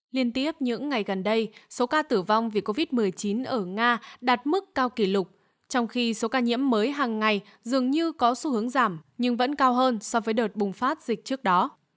liên tiếp những ngày gần đây số ca tử vong vì covid một mươi chín ở nga đạt mức cao kỷ lục trong khi số ca nhiễm mới hàng ngày dường như có xu hướng giảm nhưng vẫn cao hơn so với đợt bùng phát dịch trước đó